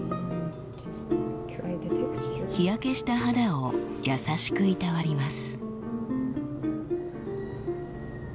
日焼けした肌を優しくいたわります。